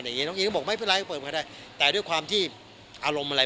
อย่างงีน้องอินก็บอกไม่เป็นไรก็เปิดมาได้แต่ด้วยความที่อารมณ์อะไร